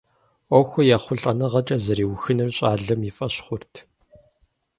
Ӏуэхур ехъулӀэныгъэкӀэ зэриухынур щӀалэм и фӀэщ хъурт.